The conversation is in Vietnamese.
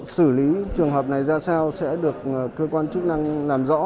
xử lý trường hợp này ra sao sẽ được cơ quan chức năng làm rõ